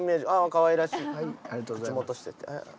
かわいらしい口元してて。